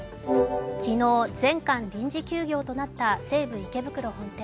昨日、全館臨時休業となった西武池袋本店。